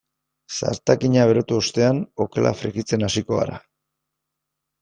Zartagina berotu ostean okela frijitzen hasiko gara.